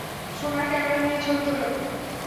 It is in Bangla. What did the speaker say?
সোনার ক্যামেরা দিয়ে ছবি তোলে?